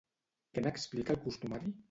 Què n'explica el costumari?